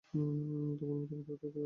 তোমার মতো বৃদ্ধিতো কারোরই নেই।